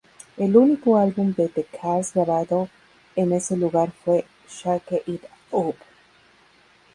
El único álbum de The Cars grabado en ese lugar fue "Shake It Up".